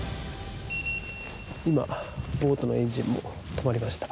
ボートのエンジンが止まりました。